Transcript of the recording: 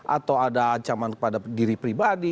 atau ada ancaman kepada diri pribadi